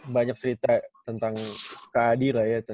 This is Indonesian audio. banyak cerita tentang kak adi lah ya